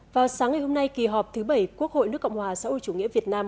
vào sáng ngày hôm nay kỳ họp thứ bảy quốc hội nước cộng hòa xã hội chủ nghĩa việt nam